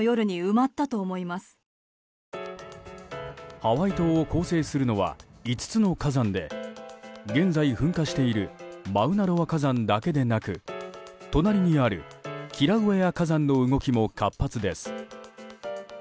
ハワイ島を構成するのは５つの火山で現在、噴火しているマウナロア火山だけでなく隣にあるキラウエア火山の動きも活発です。